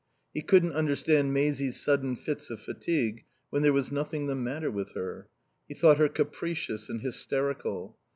He couldn't understand Maisie's sudden fits of fatigue when there was nothing the matter with her. He thought her capricious and hysterical.